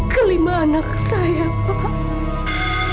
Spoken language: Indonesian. kelima anak saya pak